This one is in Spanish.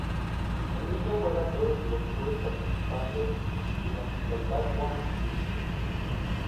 En ella juegan todos los clubes participantes de la Gibraltar Women's League.